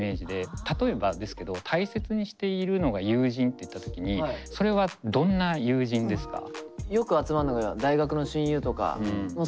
例えばですけど大切にしているのが友人っていった時にそれはその周りなんすけど。